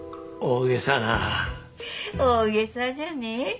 大げさじゃねえ。